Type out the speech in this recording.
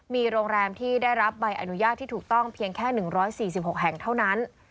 มีโรงแรมที่ได้รับใบอนุญาตที่ถูกต้องเพียงแค่๑๔๖แห่งเท่านั้น